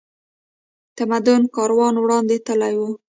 تمدن کاروان وړاندې تللی و